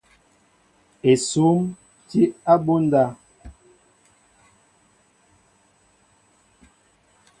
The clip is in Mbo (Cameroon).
Esŭm tí abunda.